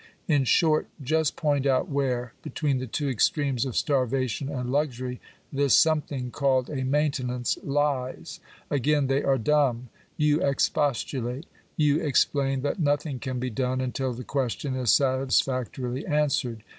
In short, just point out where, between the two extremes of starvation and luxury, this something called a maintenance lies." Again they are dumb. Tou expostulate. Tou explain that nothing can be done until the question is satisfactorily answered.